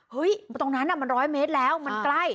เฮ้ยตรงนั้นน่ะมัน๑๐๐เมตรแล้วมันใกล้